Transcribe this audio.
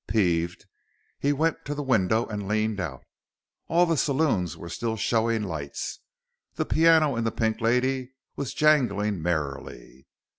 Peeved, he went to the window and leaned out. All the saloons were still showing lights. The piano in the Pink Lady was jangling merrily.